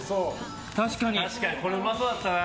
これ、うまそうだったな。